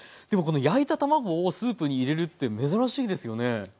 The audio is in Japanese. でもこの焼いた卵をスープに入れるって珍しいですよね。